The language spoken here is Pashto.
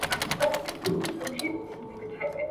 قصیده نه یم مثنوي نه یم غزل نه یمه ..